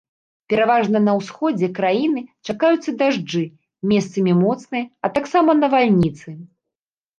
Пераважна на ўсходзе краіны чакаюцца дажджы, месцамі моцныя, а таксама навальніцы.